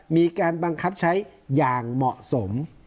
มีการบังคับใช้อย่างเหมาะสม